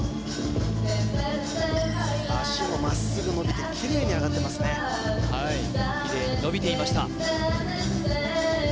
足もまっすぐ伸びてきれいに上がってますねはいきれいに伸びていました